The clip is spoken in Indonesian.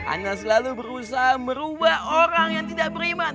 ana selalu berusaha merubah orang yang tidak beriman